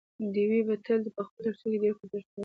ډېوې به تل په خپلو درسونو کې ډېر کوښښ کاوه،